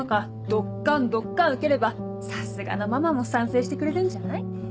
ドッカンドッカンウケればさすがのママも賛成してくれるんじゃない？